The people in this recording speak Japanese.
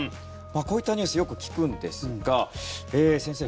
こういったニュースよく聞くんですが先生